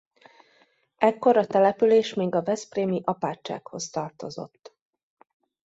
Ekkor a település még a veszprémi apátsághoz tartozott.